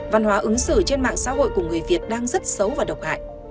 văn hóa ứng xử trên mạng xã hội của người việt đang rất xấu và độc hại